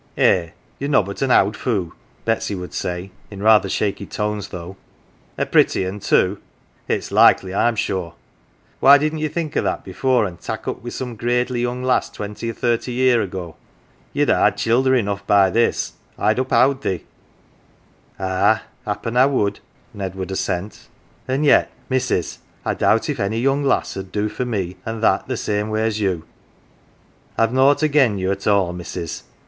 " Eh, ye're nobbut an owd foo'," Betsy would say, in rather shaky tones though. " A pretty un, too ! It's likely, I'm sure ? Why didn't ye think o' that before, an' tak' up wi' some gradely young lass twenty or thirty year ago ? Ye'd ha' had childer enough by this, I'll uphowd ye." " Ah, happen I would," Ned would assent ;" an' yet, missus, I doubt if any young lass 'ud do for me an' that same way as you. I've nought again you at all, missus.